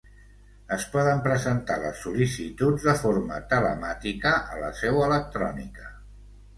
Es poden presentar les sol·licituds de forma telemàtica a la seu electrònica.